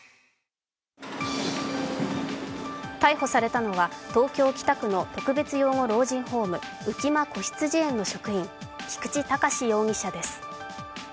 逮捕されたのは、東京・北区の特別養護老人ホーム浮間こひつじ園の職員、菊池隆容疑者です。